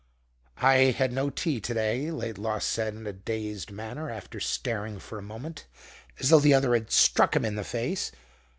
"I've had no tea to day," Laidlaw said, in a dazed manner, after staring for a moment as though the other had struck him in the face.